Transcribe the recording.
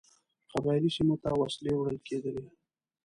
قبایلي سیمو ته وسلې وړلې کېدلې.